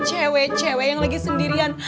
cewek cewek yang lagi sendirian